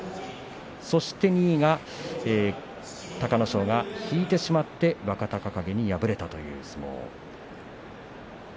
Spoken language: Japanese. ２位は隆の勝が引いてしまって若隆景に敗れた相撲。